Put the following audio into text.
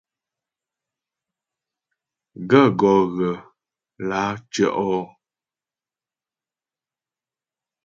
Gaə̂ gɔ́ ghə lǎ tyə́'ɔ ?